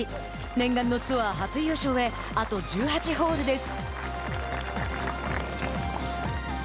念願のツアー初優勝へあと１８ホールです。